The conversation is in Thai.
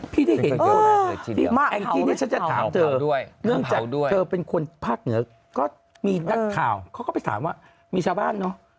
พี่ที่เห็นเรื่องจากเธอเป็นคนภาคเหงือก็มีนักข่าวเค้าไปถามว่ามีชาวบ้านเนอะ